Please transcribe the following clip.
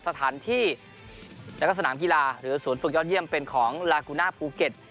สถานที่แล้วก็สนามกีฬาหรือศูนย์ฝึกยอดเยี่ยมเป็นของลากูน่าภูเก็ต